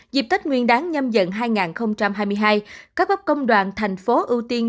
dịp tết nguyên đáng nhâm dận hai nghìn hai mươi hai các bấp công đoàn thành phố ưu tiên